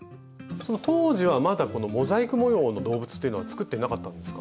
その当時はまだモザイク模様の動物というのは作っていなかったんですか？